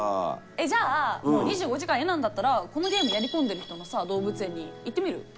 じゃあ２５時間嫌なんだったらこのゲームやりこんでる人のさ動物園に行ってみる？